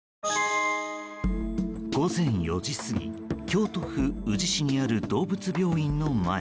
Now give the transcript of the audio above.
午前４時過ぎ京都府宇治市にある動物病院の前。